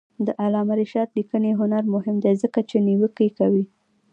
د علامه رشاد لیکنی هنر مهم دی ځکه چې نیوکه کوي.